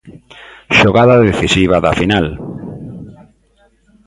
Xogada decisiva da final.